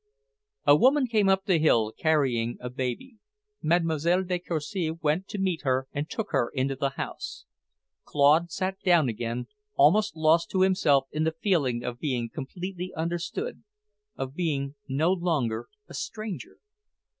A woman came up the hill carrying a baby. Mlle. de Courcy went to meet her and took her into the house. Claude sat down again, almost lost to himself in the feeling of being completely understood, of being no longer a stranger.